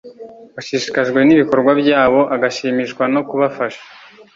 bashishikajwe n'ibikorwa byabo, agashimishwa no kubafasha.